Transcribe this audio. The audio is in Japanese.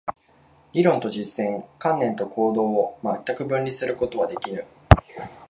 理論と実践、観念と行動を全く分離することはできぬ。